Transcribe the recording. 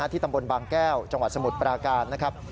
ตำบลบางแก้วจังหวัดสมุทรปราการนะครับ